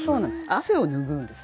汗を拭うんです